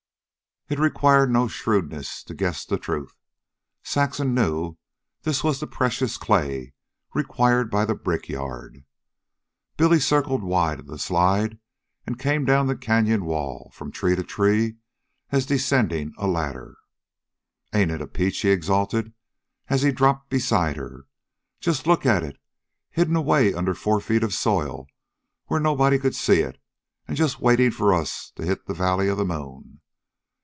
It required no shrewdness to guess the truth. Saxon knew this was the precious clay required by the brickyard. Billy circled wide of the slide and came down the canyon wall, from tree to tree, as descending a ladder. "Ain't it a peach?" he exulted, as he dropped beside her. "Just look at it hidden away under four feet of soil where nobody could see it, an' just waitin' for us to hit the Valley of the Moon.